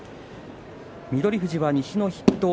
富士は西の筆頭。